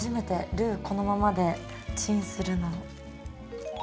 ルーこのままでチンするの。